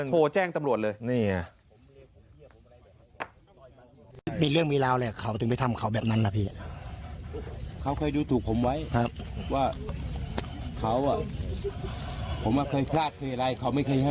โทรแจ้งตำรวจเลย